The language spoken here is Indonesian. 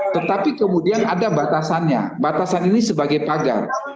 tetapi kemudian ada batasannya batasan ini sebagai pagar